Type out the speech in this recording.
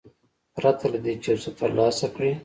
پرته له دې چې یو څه ترلاسه کړي.